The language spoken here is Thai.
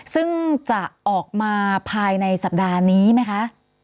ซึ่งจะออกมาภายในสัปดาห์นี้ไหมคะ